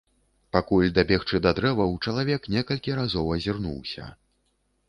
Пакуль дабегчы да дрэваў, чалавек некалькі разоў азірнуўся.